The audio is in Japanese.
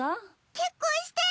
結婚して！